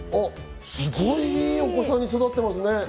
すごい、いいお子さんに育ってますね。